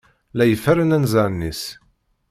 La iferren anzaren-is.